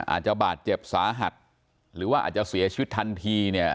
อาจจะบาดเจ็บสาหัสหรือว่าอาจจะเสียชีวิตทันทีเนี่ย